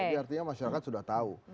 jadi artinya masyarakat sudah tahu